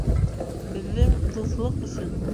Беҙҙең дуҫлыҡ өсөн!